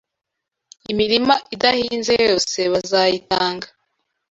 Imirima idahinze yose bazayitanga